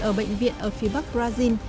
ở bệnh viện ở phía bắc brazil